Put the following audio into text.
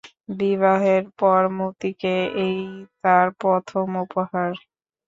বিবাহের পর মতিকে এই তার প্রথম উপহার।